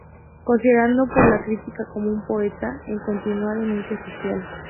Considerado por la crítica como un poeta en continua denuncia social.